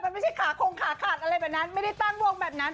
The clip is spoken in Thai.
มันไม่ใช่ขาคงขาขาดอะไรแบบนั้นไม่ได้ตั้งวงแบบนั้น